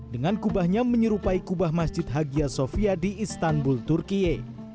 dengan kubahnya menyerupai kubah masjid hagia sofia di istanbul turkiye